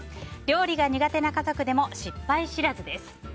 料理が苦手な家族でも失敗知らずです。